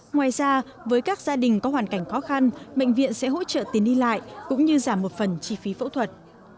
ngoài ra với các gia đình có hoàn cảnh khó khăn bệnh viện sẽ hỗ trợ tiền đi lại cũng như giảm một phần chi phí phẫu thuật